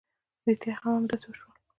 ريښتيا همداسې هم وشول.